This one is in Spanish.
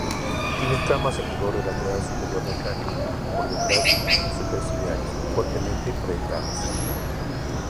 Tiene escamas en el borde lateral superior del cráneo, por detrás superciliares, fuertemente proyectadas.